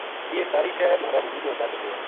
یہ ساری شے مھارا وجود نا طاقت دیئے